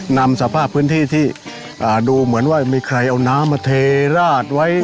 นำสภาพพื้นที่ที่ดูเหมือนว่ามีใครเอาน้ำมาเทราดไว้